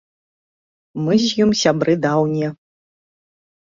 Мы з ім сябры даўнія.